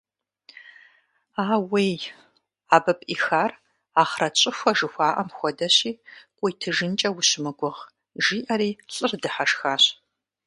Аууей, абы пӀихар ахърэт щӀыхуэ жыхуаӀэм хуэдэщи, къыуитыжынкӀэ ущымыгугъ, – жиӀэри лӀыр дыхьэшхащ.